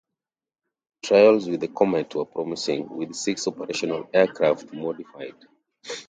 Trials with the Komet were promising, with six operational aircraft modified.